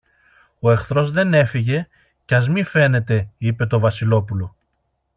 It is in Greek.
Ο εχθρός δεν έφυγε, κι ας μη φαίνεται, είπε το Βασιλόπουλο.